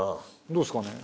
どうですかね。